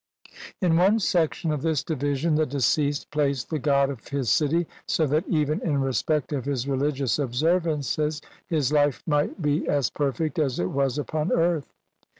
In one section of this division the de ceased placed the god of his city, so that even in respect of his religious observances his life might be as perfect as it was upon earth.